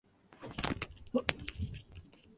قطرہٴ مے بسکہ حیرت سے نفس پرور ہوا